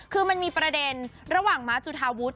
คือมันมีประเด็นระหว่างม้าจุธาวุฒิ